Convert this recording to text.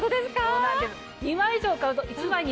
そうなんです。